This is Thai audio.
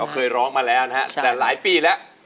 เคยร้องมาแล้วนะฮะแต่หลายปีแล้ว